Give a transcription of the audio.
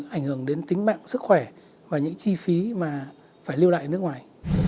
ảnh hưởng đến tính mạng sức khỏe và những chi phí mà phải lưu lại ở nước ngoài